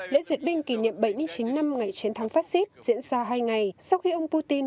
lễ duyệt binh kỷ niệm bảy mươi chín năm ngày chiến thắng fascist diễn ra hai ngày sau khi ông putin